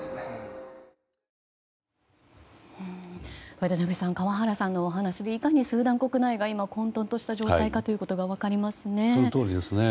渡辺さん川原さんのお話でいかにスーダン国内が今、混とんとした状態かがそのとおりですね。